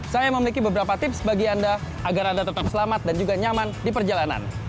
saya memiliki beberapa tips bagi anda agar anda tetap selamat dan juga nyaman di perjalanan